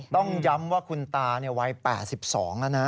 ต้องย้ำว่าคุณตาวัย๘๒แล้วนะ